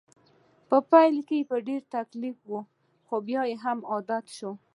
په پیل کې په ډېر تکلیف وم خو بیا عادت شوم